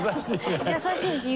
優しいね。